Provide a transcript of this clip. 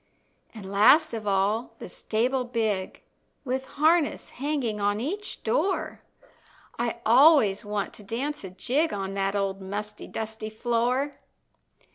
An' last of all the stable big, With harness hanging on each door, I always want to dance a jig On that old musty, dusty floor.